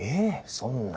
そんな。